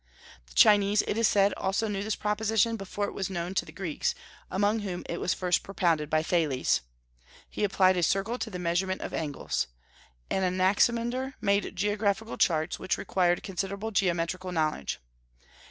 The Chinese, it is said, also knew this proposition before it was known to the Greeks, among whom it was first propounded by Thales. He applied a circle to the measurement of angles. Anaximander made geographical charts, which required considerable geometrical knowledge.